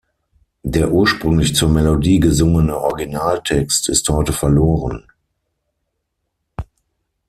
Der ursprünglich zur Melodie gesungene Originaltext ist heute verloren.